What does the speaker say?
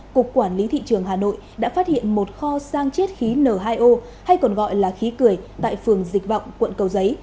cục quản lý thị trường hà nội đã phát hiện một kho sang chết khí n hai o hay còn gọi là khí cười tại phường dịch vọng quận cầu giấy